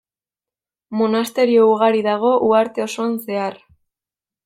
Monasterio ugari dago uharte osoan zehar.